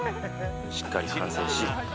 「しっかり反省し」